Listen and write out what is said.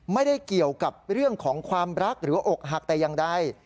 ไม่ได้เกี่ยวกับเรื่องของความรักหรืออกหักแต่อย่างใด